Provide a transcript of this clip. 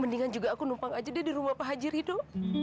mendingan juga aku numpang aja deh di rumah pak haji ridho